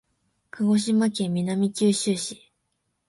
鹿児島県南九州市